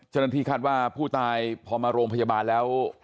เจ้าหน้าที่คาดว่าผู้ตายพอมาโรงพยาบาลแล้ว